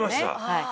はい。